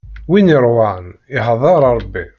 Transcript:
Win iṛwan ixdeɛ Ṛebbi.